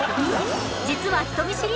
実は人見知り？